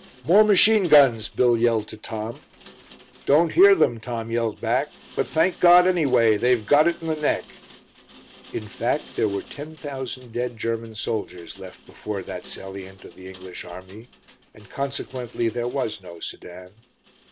"More machine guns!" Bill yelled to Tom. "Don't hear them," Tom yelled back. "But, thank God, anyway; they've got it in the neck." In fact, there were ten thousand dead German soldiers left before that salient of the English army, and consequently there was no Sedan.